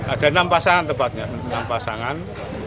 ada enam pasangan tepatnya enam pasangan